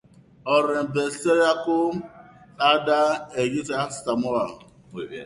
Horrenbesterako al da egitasmoa?